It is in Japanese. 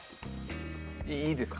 いいですか？